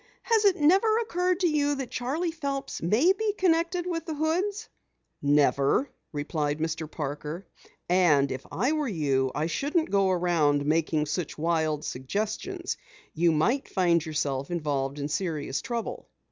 "Has it never occurred to you that Charley Phelps may be connected with the Hoods?" "Never," replied Mr. Parker. "And if I were you I shouldn't go around making such wild suggestions. You might find yourself involved in serious trouble."